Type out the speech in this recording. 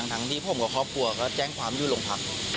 ทั้งที่ผมกับครอบครัวก็แจ้งความอยู่โรงพัก